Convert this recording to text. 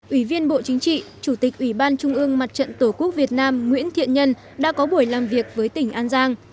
ủy viên bộ chính trị chủ tịch ủy ban trung ương mặt trận tổ quốc việt nam nguyễn thiện nhân đã có buổi làm việc với tỉnh an giang